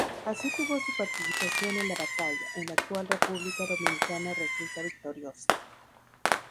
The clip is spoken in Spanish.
Así tuvo su participación en la batalla, en la cual República Dominicana resulta victoriosa.